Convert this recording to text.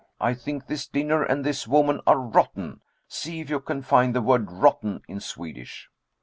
I think this dinner and this woman are rotten. See if you can find the word rotten in Swedish."